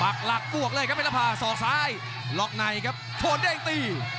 หลักปวกเลยครับเพชรภาศอกซ้ายล็อกในครับชวนเด้งตี